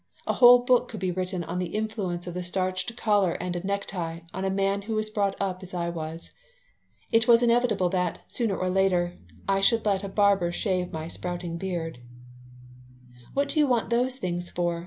A whole book could be written on the influence of a starched collar and a necktie on a man who was brought up as I was. It was inevitable that, sooner or later, I should let a barber shave my sprouting beard "What do you want those things for?"